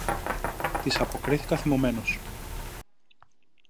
της αποκρίθηκα θυμωμένος.